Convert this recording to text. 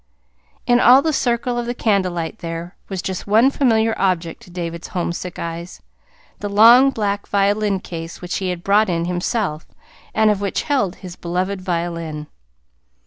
In all the circle of the candlelight there was just one familiar object to David's homesick eyes the long black violin case which he had brought in himself, and which held his beloved violin.